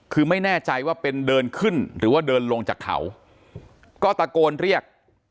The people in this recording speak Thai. คือไม่แน่ใจว่าเป็นเดินขึ้นหรือว่าเดินลงจากเขาก็ตะโกนเรียก